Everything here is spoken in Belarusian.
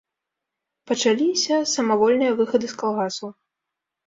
Пачаліся самавольныя выхады з калгасаў.